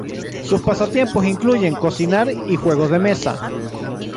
Sus pasatiempos incluyen cocinar y juegos de mesa.